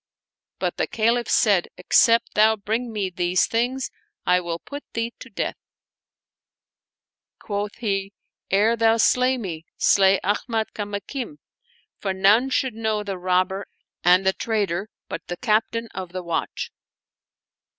* But the Caliph said, " Except thou bring me these things, I will put thee to death." Quoth he, " Ere thou slay me, slay .^miad Kamakim, for none should know the robber and the traitor but the Captain of the Watch."